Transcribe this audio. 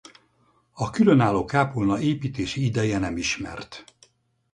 A különálló kápolna építési ideje nem ismert.